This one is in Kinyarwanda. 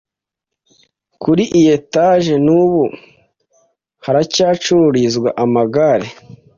Kuri iyi etage n'ubu haracyacururrizwa amagare